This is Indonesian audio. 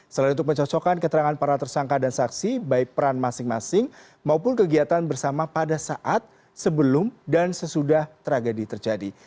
selain untuk mencocokkan keterangan para tersangka dan saksi baik peran masing masing maupun kegiatan bersama pada saat sebelum dan sesudah tragedi terjadi